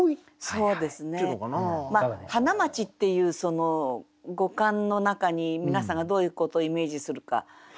そうですね「花街」っていうその語感の中に皆さんがどういうことをイメージするか。